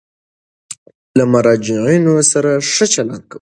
له مراجعینو سره ښه چلند وکړئ.